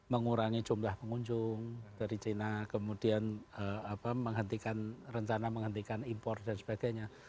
mengurangi jumlah pengunjung dari china kemudian rencana menghentikan impor dan sebagainya